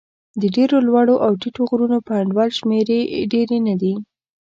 د ډېرو لوړو او ټیټو غرونو په انډول شمېرې ډېرې نه دي.